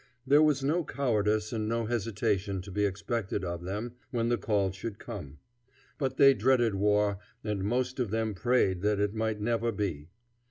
There was no cowardice and no hesitation to be expected of them when the call should come. But they dreaded war, and most of them prayed that it might never be.